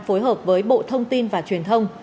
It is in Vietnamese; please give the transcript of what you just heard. phối hợp với bộ thông tin và truyền thông